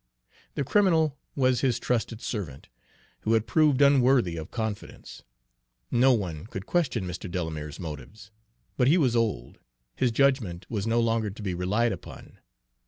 The criminal was his trusted servant, who had proved unworthy of confidence. No one could question Mr. Delamere's motives; but he was old, his judgment was no longer to be relied upon.